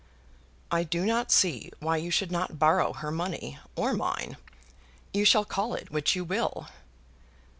"I do not see why you should not borrow her money, or mine. You shall call it which you will."